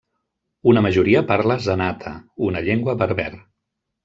Una majoria parla zenata, una llengua berber.